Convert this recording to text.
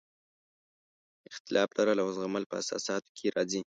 اختلاف لرل او زغمل په اساساتو کې راځي.